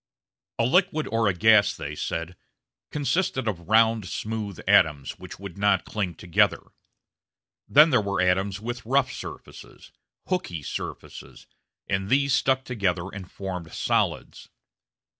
A liquid or a gas, they said, consisted of round, smooth atoms, which would not cling together. Then there were atoms with rough surfaces, "hooky" surfaces, and these stuck together and formed solids.